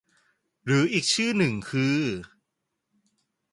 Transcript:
หรืออีกชื่อหนึ่งคือ